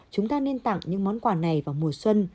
chúng ta nên tặng những món quà này vào mùa xuân